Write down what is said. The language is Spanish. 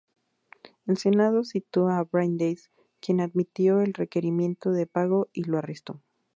El senado citó a Brandes, quien admitió el requerimiento de pago, y lo arrestó.